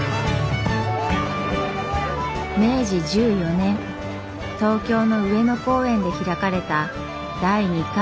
明治１４年東京の上野公園で開かれた第２回内国勧業博覧会。